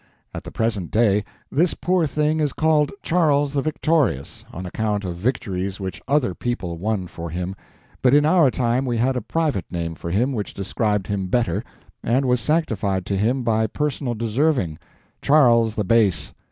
At the present day this poor thing is called Charles the Victorious, on account of victories which other people won for him, but in our time we had a private name for him which described him better, and was sanctified to him by personal deserving—Charles the Base.